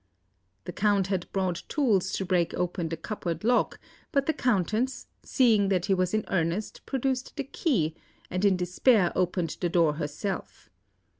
The Count had brought tools to break open the cupboard lock, but the Countess, seeing that he was in earnest, produced the key, and in despair opened the door herself.